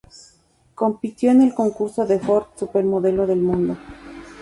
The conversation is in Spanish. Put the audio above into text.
Compitió en el concurso de Ford, "Supermodelo del Mundo".